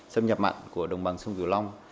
xâm nhập mặn của đồng bào sông kiểu long